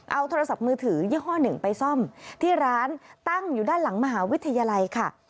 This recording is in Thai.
เอาโทรศัพท์มือถือยี่ห้อหนึ่งไปซ่อมที่ร้านตั้งอยู่ด้านหลังมหาวิทยาลัยค่ะ